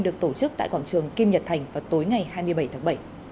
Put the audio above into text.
được tổ chức tại quảng trường kim nhật thành vào tối ngày hai mươi bảy tháng bảy